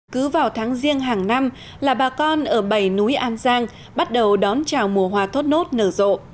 cứ vào tháng riêng hàng năm là bà con ở bầy núi an giang bắt đầu đón chào mùa hoa thốt nốt nở rộ